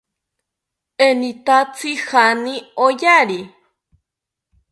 ¿Enitatzi jaani oyari?